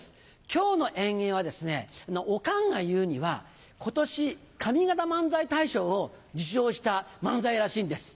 今日の演芸はですねオカンが言うには今年上方漫才大賞を受賞した漫才らしいんです。